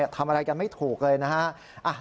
ทำอะไรกันไม่ถูกเลยนะฮะ